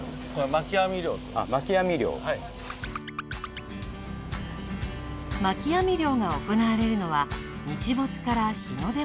巻き網漁が行われるのは日没から日の出まで。